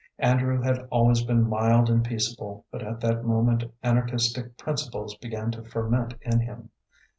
Andrew had always been mild and peaceable, but at that moment anarchistic principles began to ferment in him.